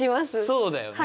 そうだよね。